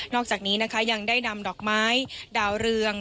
อกจากนี้นะคะยังได้นำดอกไม้ดาวเรือง